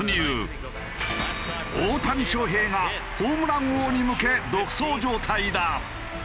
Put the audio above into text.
大谷翔平がホームラン王に向け独走状態だ。